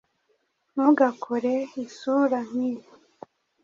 Ntugakore isura nkiyi.